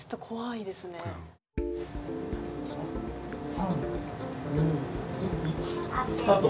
３２１スタート。